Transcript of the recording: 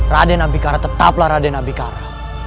raden abikara tetaplah raden abikara